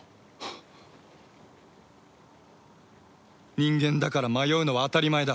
人間だから迷うのは当たり前だ。